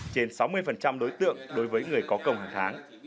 trên sáu mươi đối tượng đối với người có công hàng tháng